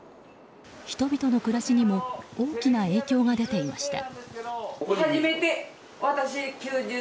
人々の暮らしにも大きな影響が出ていました。